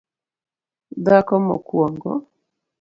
dhako mokuongo